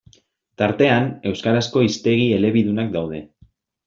Tartean, euskarazko hiztegi elebidunak daude.